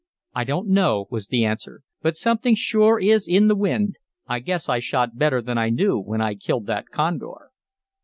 "I don't know," was the answer, "but something sure is in the wind. I guess I shot better than I knew when I killed that condor."